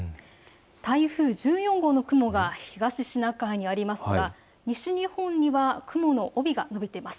台風１４号の雲が東シナ海にありますが西日本には雲の帯が延びています。